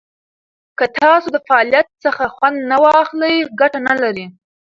که تاسو د فعالیت څخه خوند نه واخلئ، ګټه نه لري.